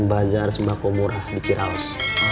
bazar sembahkomurah di ciraos